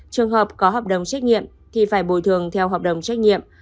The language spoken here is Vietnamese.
trường hợp có hợp đồng trách nhiệm thì phải bồi thường theo hợp đồng trách nhiệm